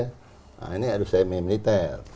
nah ini ada semis militer